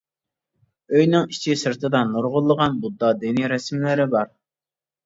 ئۆينىڭ ئىچى سىرتىدا نۇرغۇنلىغان بۇددا دىنى رەسىملىرى بار.